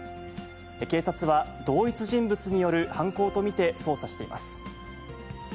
警察は同一人物による犯行と見て、捜査しています。